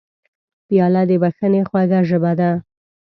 پیاله د بښنې خوږه ژبه ده.